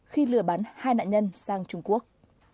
khi lừa bắn hai nạn nhân sang trung quốc